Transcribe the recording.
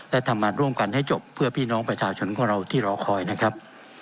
และทำงานร่วมกันให้จบเพื่อพี่น้องประชาชนของเราที่รอคอยนะครับ